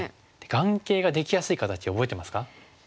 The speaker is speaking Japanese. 眼形ができやすい形覚えてますか？